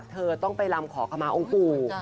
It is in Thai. เธอต้องไปลำขอขมาองค์ปู่